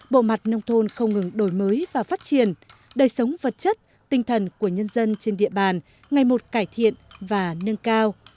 bộ mặt nông thôn không ngừng đổi mới và phát triển đời sống vật chất tinh thần của nhân dân trên địa bàn ngày một cải thiện và nâng cao